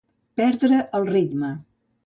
Perdre el ritme.